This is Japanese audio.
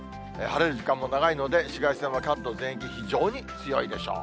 晴れる時間も長いので、紫外線は関東全域、非常に強いでしょう。